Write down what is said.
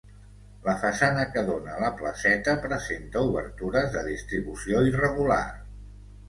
La façana que dóna a la Placeta presenta obertures de distribució irregular.